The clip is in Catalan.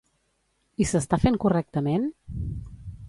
I s'està fent correctament?